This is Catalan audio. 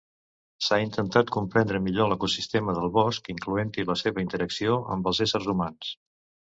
S'ha intentat comprendre millor l'ecosistema del bosc, incloent-hi la seva interacció amb els éssers humans.